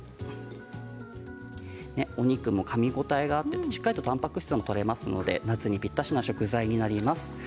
お肉もかみ応えがあってしっかりとたんぱく質もとれますので夏にぴったりの食材になります。